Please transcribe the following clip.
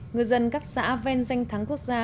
người dân các xã ven danh thắng quốc gia